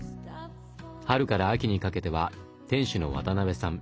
春から秋にかけては店主の渡辺さん